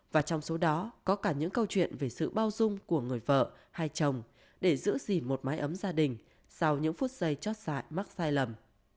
và trong số đó có cả những câu chuyện về sự bao dung của người vợ hai chồng để giữ gìn một mái ấm gia đình sau những phút giây chót dại mắc sai lầm